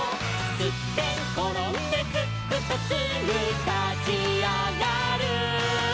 「すってんころんですっくとすぐたちあがる」